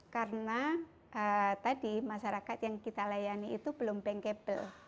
karena tadi masyarakat yang kita layani itu belum bankable